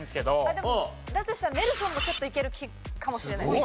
でもだとしたらネルソンもちょっといけるかもしれない。